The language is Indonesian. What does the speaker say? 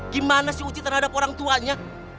gimana sih uci terhadap orang tuanya